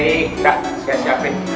kita siap siap nih